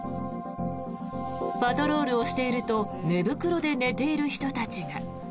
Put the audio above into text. パトロールをしていると寝袋で寝ている人たちが。